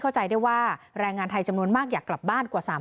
เข้าใจได้ว่าแรงงานไทยจำนวนมากอยากกลับบ้านกว่า๓๐๐